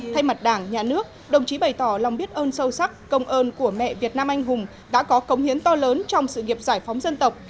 thay mặt đảng nhà nước đồng chí bày tỏ lòng biết ơn sâu sắc công ơn của mẹ việt nam anh hùng đã có cống hiến to lớn trong sự nghiệp giải phóng dân tộc